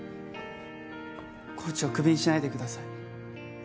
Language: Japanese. コーチをクビにしないでください。